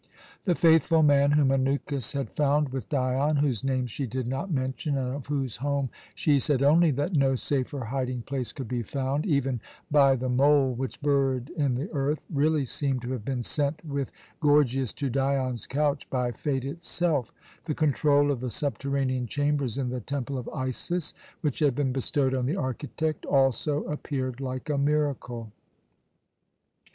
The faithful man whom Anukis had found with Dion, whose name she did not mention and of whose home she said only that no safer hiding place could be found, even by the mole which burrowed in the earth, really seemed to have been sent with Gorgias to Dion's couch by Fate itself. The control of the subterranean chambers in the Temple of Isis which had been bestowed on the architect, also appeared like a miracle.